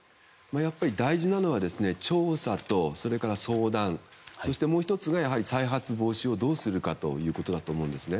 やっぱり大事なのは調査と相談そしてもう１つが再発防止をどうするかということです。